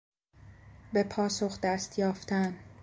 به پاسخ دستیافتن